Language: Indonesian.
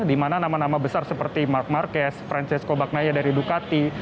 di mana nama nama besar seperti mark marquez francisco bagnaya dari ducati